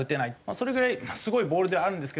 それぐらいすごいボールではあるんですけど